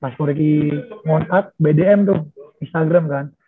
pas ko riki ngontak bdm tuh instagram kan